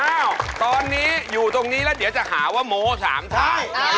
อ้าวตอนนี้อยู่ตรงนี้แล้วเดี๋ยวจะหาว่าโม้สามท่า